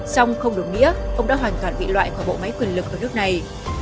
song không đồng nghĩa ông đã hoàn toàn bị loại khỏi bộ máy quyền lực ở nước này